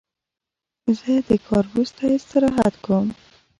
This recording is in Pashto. زه د کار وروسته استراحت کوم.